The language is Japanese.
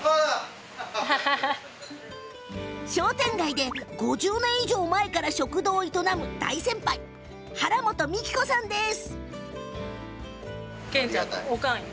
商店街で５０年以上前から食堂を営む大先輩原本未希子さんです。